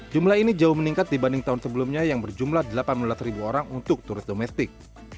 jumlah ini jauh meningkat dibanding tahun sebelumnya yang berjumlah delapan belas orang untuk turis domestik